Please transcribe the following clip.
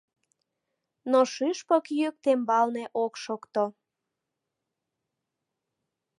Но шӱшпык йӱк тембалне ок шокто.